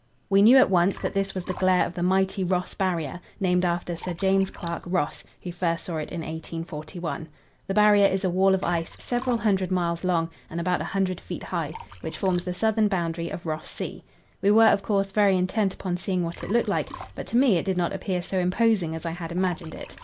We knew at once that this was the glare of the mighty Ross Barrier, named after Sir James Clark Ross, who first saw it in 1841. The Barrier is a wall of ice, several hundred miles long, and about 100 feet high, which forms the southern boundary of Ross Sea. We were, of course, very intent upon seeing what it looked like, but to me it did not appear so imposing as I had imagined it.